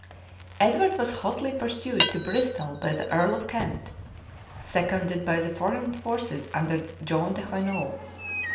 Edward was hotly pursued to Bristol by the earl of Kent, seconded by the foreign forces under John de Hainault.